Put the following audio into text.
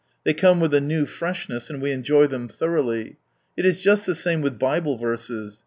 They come with a new freshness, and we enjoy them thoroughly. It is just the same with Bible verses.